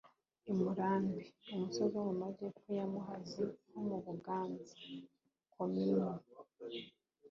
i murambi: umusozi wo mu magepfo ya muhazi ho mu buganza (komini